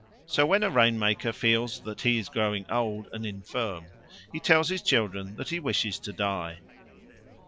So when a rain maker feels that he is growing old and infirm, he tells his children that he wishes to die.